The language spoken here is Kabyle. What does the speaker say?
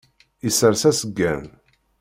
Issers aseggan.